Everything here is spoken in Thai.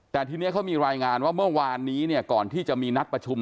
แต่ทีนี้เขามีรายงานว่าเมื่อวานนี้เนี่ยก่อนที่จะมีนัดประชุม